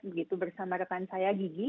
begitu bersama rekan saya gigi